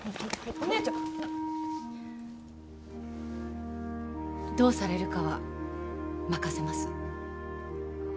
お姉ちゃんどうされるかは任せます